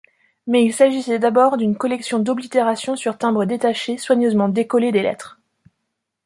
Mais il s’agissait d’abord d’une collection d’oblitérations sur timbres détachés soigneusement décollées des lettres.